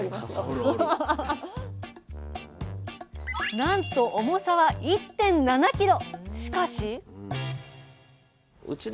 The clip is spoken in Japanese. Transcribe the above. なんと重さは１．７ｋｇ。